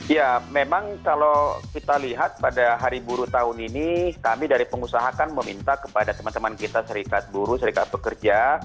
ya memang kalau kita lihat pada hari buruh tahun ini kami dari pengusaha kan meminta kepada teman teman kita serikat buruh serikat pekerja